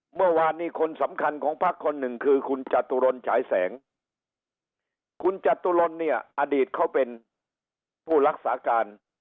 เมื่อวานนี้คนสำคัญของพักคนหนึ่งคือคุณจตุรนฉายแสงคุณจตุรนเนี่ยอดีตเขาเป็นผู้รักษาการ